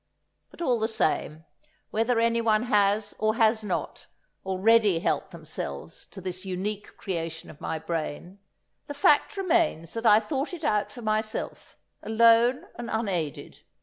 But all the same, whether anyone has, or has not, already helped themselves to this unique creation of my brain, the fact remains that I thought it out for myself, alone and unaided.